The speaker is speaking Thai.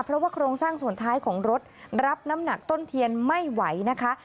เพราะว่าโครงสร้างส่วนท้ายของรถรับน้ำหนักต้นเทียนไม่ไหวนะคะ